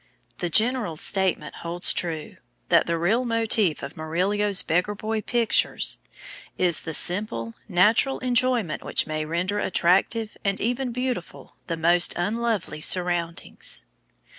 The general statement holds true, that the real motif of Murillo's beggar boy pictures is the simple, natural enjoyment which may render attractive, and even beautiful, the most unlovely surroundings.